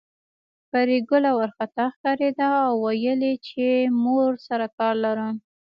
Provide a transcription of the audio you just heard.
پري ګله وارخطا ښکارېده او ويل يې چې مور سره کار لرم